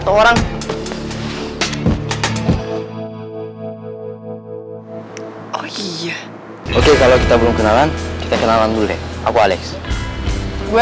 orang orang oh iya oke kalau kita belum kenalan kita kenalan boleh aku alex gue